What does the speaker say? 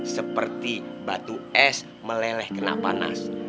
seperti batu es meleleh kena panas